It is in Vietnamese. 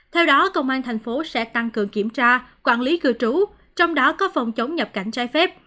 theo đó công an thành phố sẽ tăng cường kiểm tra quản lý cư trú trong đó có phòng chống nhập cảnh trái phép